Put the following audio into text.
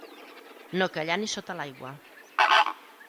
No callar ni sota l'aigua.